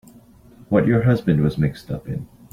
What your husband was mixed up in.